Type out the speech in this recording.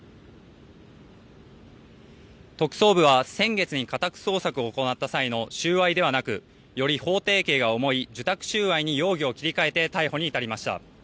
特捜部は先月に家宅捜索を行った際の収賄ではなくより法定刑が重い受託収賄容疑に容疑を切り替えて逮捕に至りました。